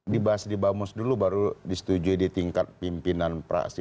dibahas di bamus dulu baru disetujui di tingkat pimpinan praksi